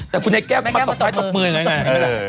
แต่คุณไอ้แก้วมาตกมืออย่างนั้น